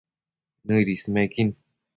Nëid ismequin